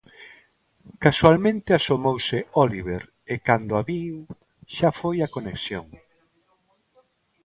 Casualmente asomouse Óliver e cando a viu xa foi a conexión.